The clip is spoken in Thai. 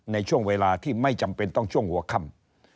ในช่วงเวลาที่ไม่จำเป็นต้องช่วงหัวค่ำ